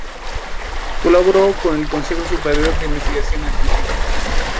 Colaboró con el "Consejo Superior de Investigaciones Científicas".